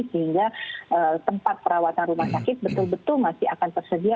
sehingga tempat perawatan rumah sakit betul betul masih akan tersedia